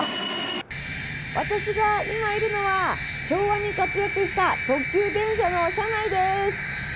私が今いるのは昭和に活躍した特急電車の車内です。